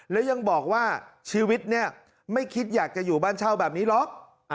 แล้วยังบอกว่าชีวิตเนี่ยไม่คิดอยากจะอยู่บ้านเช่าแบบนี้หรอก